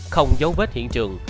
không giấu vết hiện trường